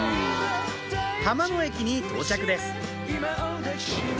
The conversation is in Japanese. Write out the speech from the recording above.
浜野駅に到着です